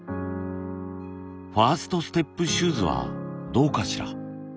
ファーストステップシューズはどうかしら？